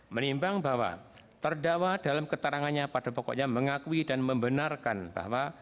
menimbang bahwa terdakwa dalam keterangannya pada pokoknya mengakui dan membenarkan bahwa